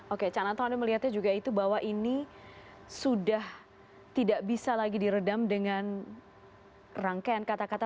oke cananto anda melihatnya juga itu bahwa ini sudah tidak bisa lagi diredam dengan rangkaian kata kata